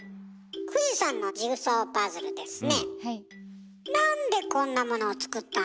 富士山のジグソーパズルですね。